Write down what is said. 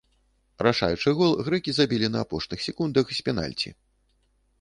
Рашаючы гол грэкі забілі на апошніх секундах з пенальці.